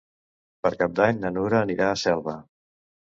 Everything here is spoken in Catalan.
Per Cap d'Any na Nura anirà a Selva.